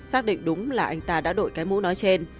xác định đúng là anh ta đã đội cái mũ nói trên